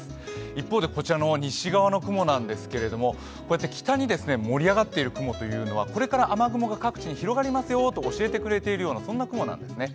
一方でこちらの西側の雲なんですけど北に盛り上がっている雲というのはこれから雨雲が各地に広がりますよと教えてくれるような、そんな雲なんですね。